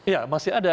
ya masih ada